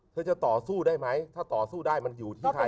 จะต่อสู้ได้ไหมถ้าต่อสู้ได้มันอยู่ที่ไทย